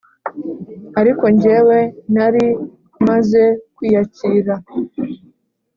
ariko njyewe nari maze kwiyakira